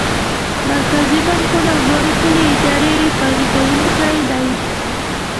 مرکزي بانکونه او نورې پولي ادارې یې پلي کوونکی دي.